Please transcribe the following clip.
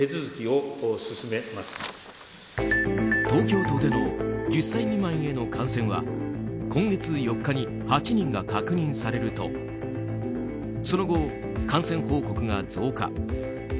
東京都での１０歳未満への感染は今月４日に８人が確認されるとその後、感染報告が増加。